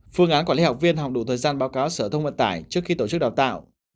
phương án quản lý học viên học đủ thời gian báo cáo sở thông vận tải trước khi tổ chức đào tạo